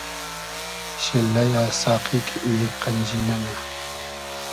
شیللئیۂ ساقی کی ای قئنجی نئنۂ